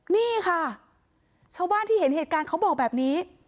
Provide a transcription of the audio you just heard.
นี่ค่ะชาวบ้านที่เห็นเหตุการณ์เขาบอกแบบนี้